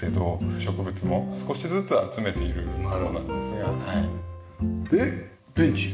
植物も少しずつ集めているところなんですね。でベンチ。